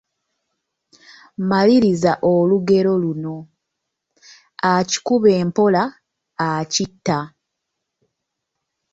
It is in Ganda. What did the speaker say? Maliriza olugero luno: Akikuba empola akitta...